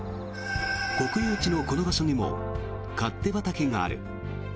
国有地のこの場所にも勝手畑がある。